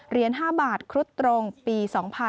เหรียญ๕บาทครุฑตรงปี๒๕๕๙